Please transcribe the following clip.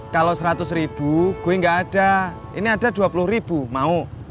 kalau seratus ribu gue nggak ada ini ada dua puluh ribu mau